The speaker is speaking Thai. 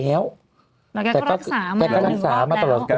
แล้วแกก็รักษามาตลอดแล้ว